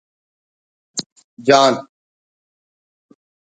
جان